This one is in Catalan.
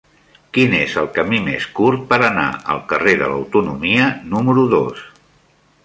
Quin és el camí més curt per anar al carrer de l'Autonomia número dos?